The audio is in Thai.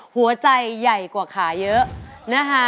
หัวใจใหญ่กว่าขาเยอะนะคะ